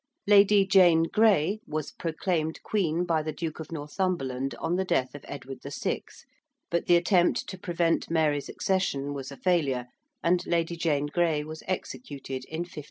~Lady Jane Grey~ was proclaimed Queen by the Duke of Northumberland on the death of Edward VI., but the attempt to prevent Mary's accession was a failure, and Lady Jane Grey was executed in 1554.